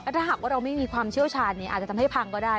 ถ้าหากว่าเราไม่มีความเชี่ยวชาญอาจจะทำให้พังก็ได้